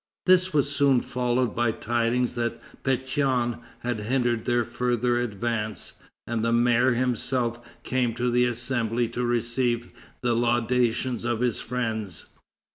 This was soon followed by tidings that Pétion had hindered their further advance, and the mayor himself came to the Assembly to receive the laudations of his friends.